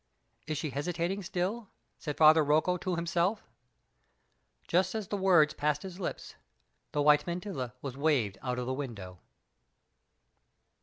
"Is she hesitating still?" said Father Rocco to himself. Just as the words passed his lips, the white mantilla was waved out of the window.